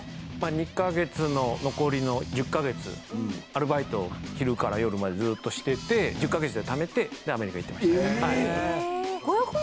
２カ月の残りの１０カ月アルバイトを昼から夜までずっとしてて１０カ月でためてでアメリカ行ってました。